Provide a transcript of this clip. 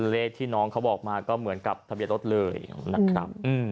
เลขที่น้องเขาบอกมาก็เหมือนกับทะเบียนรถเลยนะครับ